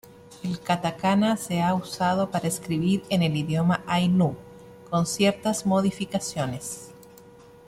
El katakana se ha usado para escribir en el idioma ainu, con ciertas modificaciones.